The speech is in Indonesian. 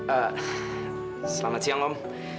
eh selamat siang om